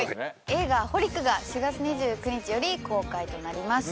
映画「ホリックｘｘｘＨＯＬｉＣ」が４月２９日より公開となります